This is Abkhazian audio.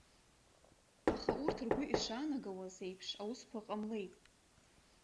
Аха урҭ ргәы ишаанагауаз еиԥш аусқәа ҟамлеит.